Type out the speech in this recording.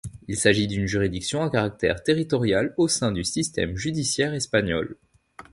Il s’agit d’une juridiction à caractère territorial au sein du système judiciaire espagnol.